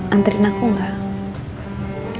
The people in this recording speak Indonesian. antriin aku gak